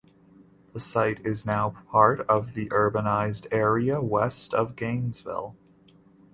The site is now part of the urbanized area west of Gainesville.